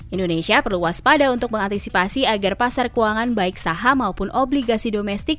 indonesia perlu waspada untuk mengantisipasi agar pasar keuangan baik saham maupun obligasi domestik